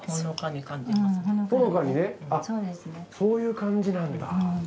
そういう感じなんだ。